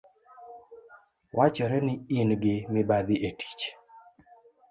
Wachore ni ingi mibadhi etich